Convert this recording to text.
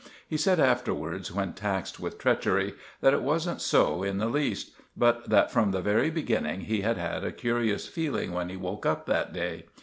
He said afterwards, when taxed with treachery, that it wasn't so in the least; but that from the very beginning he had had a curious feeling when he woke up that day.